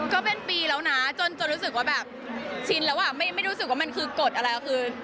ก็เป็นปีแล้วจนรู้สึกชิ้นแล้วไม่รู้สึกว่ามันคือกฎอะไร